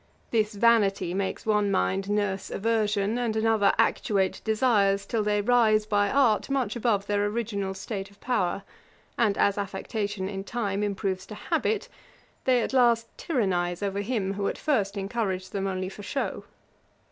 This vanity makes one mind nurse aversion, and another actuate desires, till they rise by art much above their original state of power; and as affectation, in time, improves to habit, they at last tyrannise over him who at first encouraged them only for show.